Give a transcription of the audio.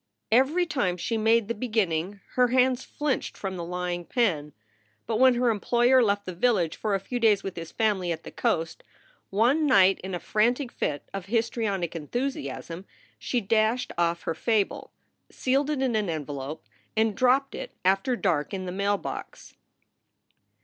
Every time she made the beginning her hands flinched from the lying pen. But when her employer left the village for a few days with his family at the coast, one night in a frantic fit of histrionic enthusiasm she dashed off her fable, sealed it in an envelope, and dropped it after dark in the mail box.